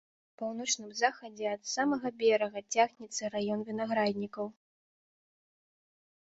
На паўночным захадзе ад самага берага цягнецца раён вінаграднікаў.